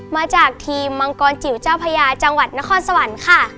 มาจากทีมมังกรจิ๋วเจ้าพญาจังหวัดนครสวรรค์ค่ะ